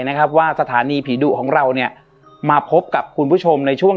นะครับว่าสถานีผีดุของเราเนี่ยมาพบกับคุณผู้ชมในช่วง